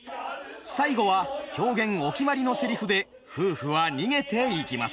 最後は狂言お決まりのセリフで夫婦は逃げていきます。